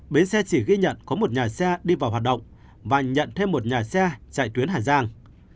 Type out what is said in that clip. bến xe chỉ ghi nhận có một nhà xe đi vào hoạt động và nhận thêm một nhà xe chạy tuyến hà giang